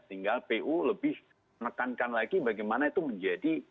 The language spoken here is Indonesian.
tinggal pu lebih menekankan lagi bagaimana itu menjadi